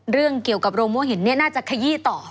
เรื่องเกี่ยวกับโรงโม่หินน่าจะขยี้ต่อ